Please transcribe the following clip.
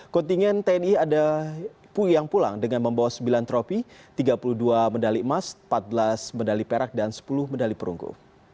kontingen tni ada yang pulang dengan membawa sembilan tropi tiga puluh dua medali emas empat belas medali perak dan sepuluh medali perunggu